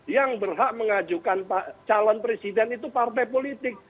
yang berhak mengajukan calon presiden itu partai politik